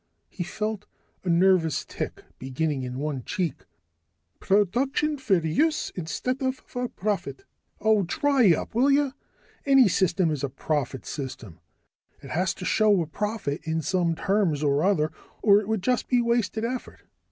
He felt a nervous tic beginning in one cheek. "Production for use instead of for profit " "Oh, dry up, will you? Any system is a profit system. It has to show a profit in some terms or other, or it would just be wasted effort.